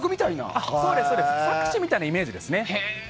錯視したいなイメージですね。